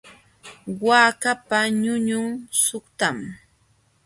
Waakapa ñuñun suqtam.